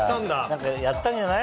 何かやったんじゃない？